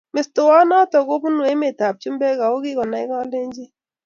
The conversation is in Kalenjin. Mestowot noto kobunu emet ab chumbek ak kokonai kalenjin